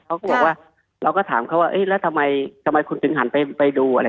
เขาก็บอกว่าเราก็ถามเขาว่าเอ๊ะแล้วทำไมทำไมคุณถึงหันไปดูอะไร